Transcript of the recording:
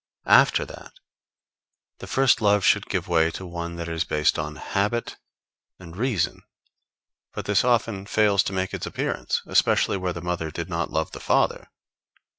After that, the first love should give way to one that is based on habit and reason; but this often fails to make its appearance, especially where the mother did not love the father.